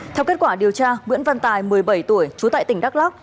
theo kết quả điều tra nguyễn văn tài một mươi bảy tuổi trú tại tỉnh đắk lắc